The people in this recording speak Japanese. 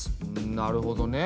なるほどね。